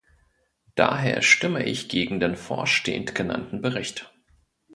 Daher stimme ich gegen den vorstehend genannten Bericht.